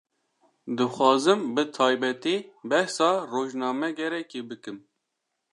Dixwazim bi taybetî, behsa rojnamegerekî bikim